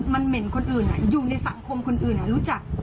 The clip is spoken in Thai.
มันเหม็นคนอื่นอยู่ในสังคมคนอื่นรู้จัก